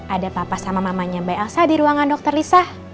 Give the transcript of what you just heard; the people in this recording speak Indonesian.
ada papa sama mamanya mbak elsa di ruangan dokter lisa